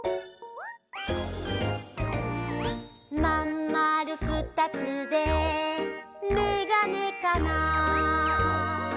「まんまるふたつでメガネかな」